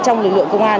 trong lực lượng công an